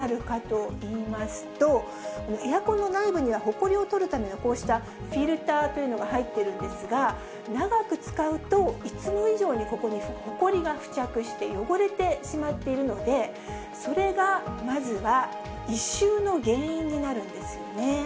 では、この１．５シーズン分、稼働したエアコンがどうなるかといいますと、エアコンの内部にはほこりを取るためのこうしたフィルターというのが入っているんですが、長く使うといつも以上にここにほこりが付着して、汚れてしまっているので、それがまずは異臭の原因になるんですよね。